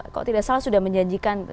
kalau tidak salah sudah menjanjikan